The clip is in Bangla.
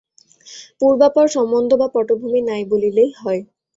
পূর্বাপর সম্বন্ধ বা পটভূমি নাই বলিলেই হয়।